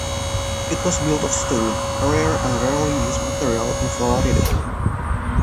It was built of stone, a rare and rarely used material in Florida.